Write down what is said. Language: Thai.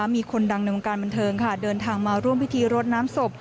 มีคนดังในวงการบันเทิงค่ะเดินทางมาร่วมพิธีรดน้ำศพ